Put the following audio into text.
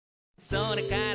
「それから」